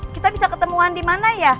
kita bisa ketemuan di mana ya